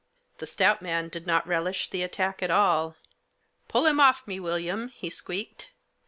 The stout man did not relish the attack at all. w Pull him off me, William," he squeaked.